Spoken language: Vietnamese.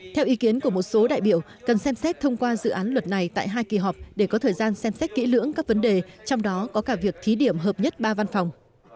theo ý kiến của một số đại biểu cần xem xét thông qua dự án luật này tại hai kỳ họp để có thời gian xem xét kỹ lưỡng các vấn đề trong đó có cả việc thí điểm hợp nhất ba văn phòng